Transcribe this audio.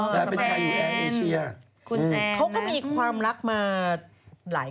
แฟนเป็นไทยแอดเอเชีย